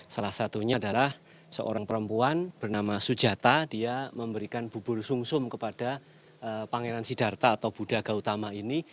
salah satunya adalah seorang perempuan bernama sujata dia memberikan bubur sum sum kepada pangeran sidharta atau buddha gautama ini